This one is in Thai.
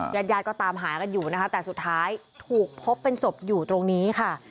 ญาติญาติก็ตามหากันอยู่นะคะแต่สุดท้ายถูกพบเป็นศพอยู่ตรงนี้ค่ะ